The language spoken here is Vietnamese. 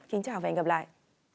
kính chào và hẹn gặp lại